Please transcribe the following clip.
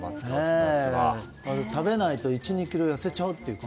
食べないと１２ｋｇ痩せちゃうというか。